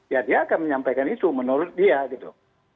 ya dia akan menyampaikan itu menurut dia gitu